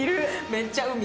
めっちゃ海。